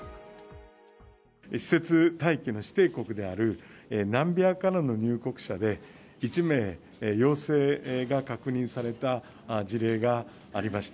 施設待機の指定国であるナミビアからの入国者で、１名、陽性が確認された事例がありました。